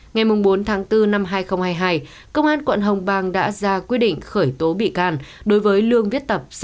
ngày bốn tháng bốn năm hai nghìn hai mươi hai công an quận hồng bang đã ra quyết định khởi tố bị can đối với lương viết tập